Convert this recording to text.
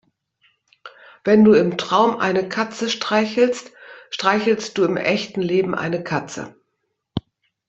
Wenn du im Traum eine Katze streichelst, streichelst du im echten Leben eine Katze.